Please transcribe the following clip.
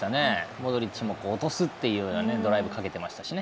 モドリッチも落とすというドライブかけてましたしね。